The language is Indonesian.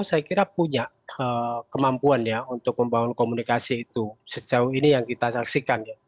saya kira punya kemampuannya untuk membangun komunikasi itu sejauh ini yang kita saksikan